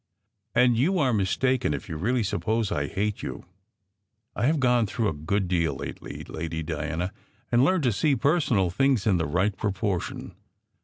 "And you are mistaken if you really suppose I hate you. I have gone through a good deal lately, Lady Diana, and learned to see personal things in the right proportion.